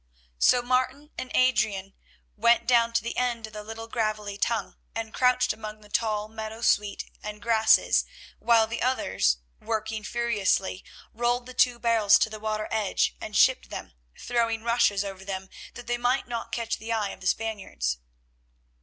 So Martin and Adrian went down to the end of the little gravelly tongue and crouched among the tall meadow sweet and grasses, while the others, working furiously, rolled the two barrels to the water edge and shipped them, throwing rushes over them that they might not catch the eye of the Spaniards.